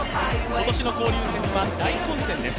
今年の交流戦は大混戦です。